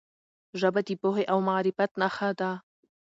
ژبه د پوهې او معرفت نښه ده.